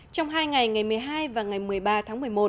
trong hai ngày ngày một mươi hai và ngày một mươi ba tháng một mươi một